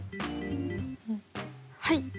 はい。